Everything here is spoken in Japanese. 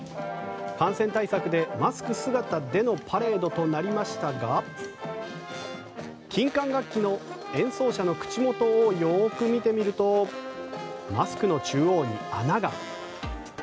感染対策で、マスク姿でのパレードとなりましたが金管楽器の演奏者の口元をよく見てみるとマスクの中央に穴が。